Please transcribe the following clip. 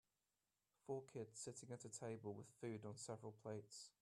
Four kids sitting at a table with food on several plates